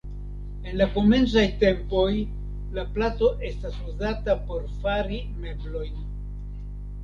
En la komencaj tempoj la plato estas uzata por fari meblojn.